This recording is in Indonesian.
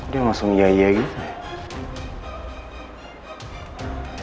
dia langsung ya iya gitu